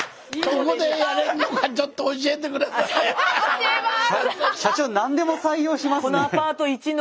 教えます。